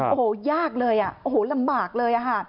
โอ้โหยากเลยอ่ะโอ้โหลำบากเลยค่ะ